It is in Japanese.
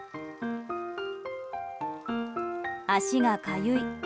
足がかゆい。